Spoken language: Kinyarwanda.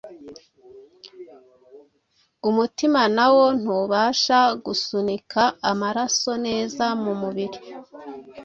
umutima nawo ntubasha gusunika amaraso neza mu mubiri,